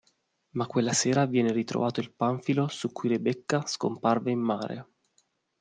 Ma quella sera viene ritrovato il panfilo su cui Rebecca scomparve in mare.